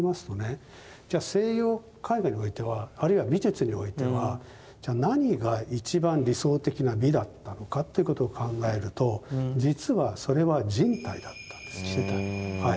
じゃ西洋絵画においてはあるいは美術においては何が一番理想的な美だったのかということを考えると実はそれは人体だったんです。